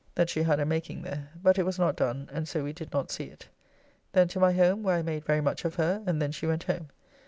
] that she had a making there, but it was not done, and so we did not see it. Then to my home, where I made very much of her, and then she went home.